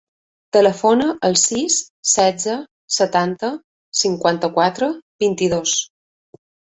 Telefona al sis, setze, setanta, cinquanta-quatre, vint-i-dos.